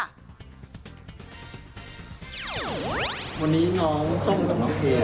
วันนี้น้องส้มกับน้องเครียร์ค่ะ